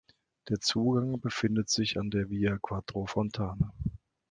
Der Zugang befindet sich an der "Via Quattro Fontane".